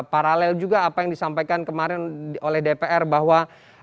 paralel juga apa yang disampaikan kemarin oleh dpr bahwa